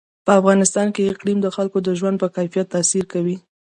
په افغانستان کې اقلیم د خلکو د ژوند په کیفیت تاثیر کوي.